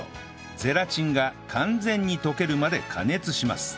ゼラチンが完全に溶けるまで加熱します